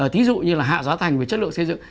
thí dụ như là hạ giá thành về chất lượng xây dựng